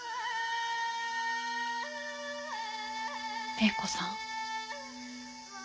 映子さん。